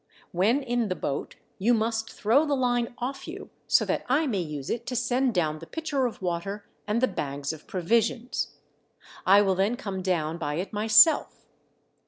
When in the boat, you must throw the line off you, so that I may use it to send down the pitcher of water and the bags of provisions. I will then come down by it my self.